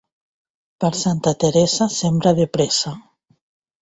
Per Santa Teresa sembra de pressa.